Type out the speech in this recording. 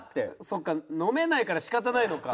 そうか飲めないから仕方ないのか。